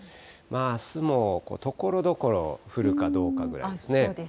あすもところどころ、降るかどうかぐらいですね。